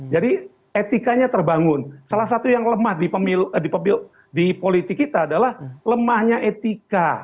jadi etikanya terbangun salah satu yang lemah di politik kita adalah lemahnya etika